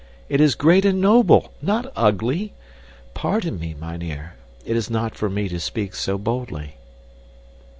It is great and noble, not ugly! Pardon me, mynheer. It is not for me to speak so boldly."